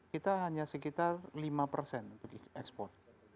kita hanya sekitar lima persen untuk ekspor